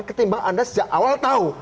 ketimbang anda sejak awal tahu